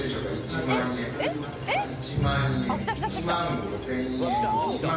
１万５，０００円。